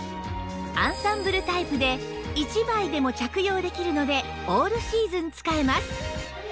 アンサンブルタイプで１枚でも着用できるのでオールシーズン使えます